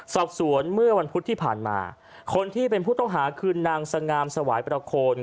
สอบสวนเมื่อวันพุธที่ผ่านมาคนที่เป็นผู้ต้องหาคือนางสงามสวายประโคน